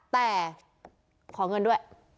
แต่ขอเงินด้วย